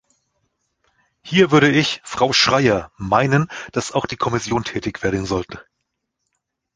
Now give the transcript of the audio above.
Hier würde ich, Frau Schreyer, meinen, dass auch die Kommission tätig werden sollte.